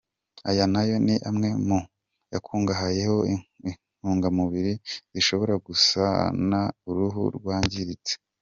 Aya nayo ni amwe mu yakungahayemo intungamubiri zishobora gusana uruhu rwangiritse.